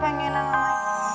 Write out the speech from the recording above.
hal pega reddit kita